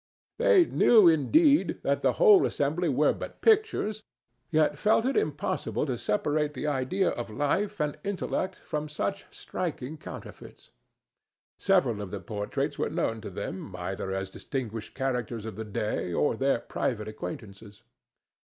They knew, indeed, that the whole assembly were but pictures, yet felt it impossible to separate the idea of life and intellect from such striking counterfeits. Several of the portraits were known to them either as distinguished characters of the day or their private acquaintances.